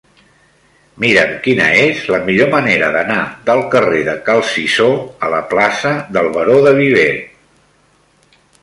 Mira'm quina és la millor manera d'anar del carrer de Cal Cisó a la plaça del Baró de Viver.